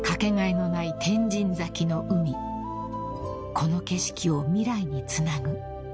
［この景色を未来につなぐ］